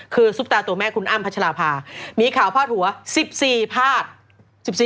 คือซุปตาตัวแม่คุณอ้ำพัชราภามีข่าวพาดหัว๑๔พาด๑๔